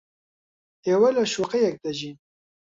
ئێوە لە شوقەیەک دەژین.